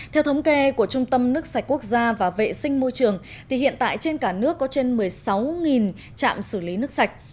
theo thống kê của trung tâm nước sạch quốc gia và vệ sinh môi trường thì hiện tại trên cả nước có trên một mươi sáu trạm xử lý nước sạch